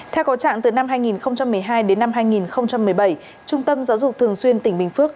theo có trạng từ năm hai nghìn một mươi hai đến năm hai nghìn một mươi bảy trung tâm giáo dục thường xuyên tỉnh bình phước